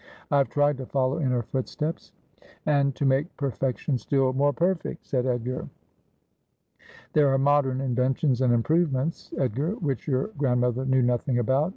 1 have tried to follow in her footsteps.' ' And to make perfection still more perfect,' said Edgar. ' There are modern inventions and improvements, Edgar, which your grandmother knew nothing about.